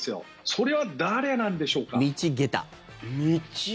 それは誰なんでしょうか？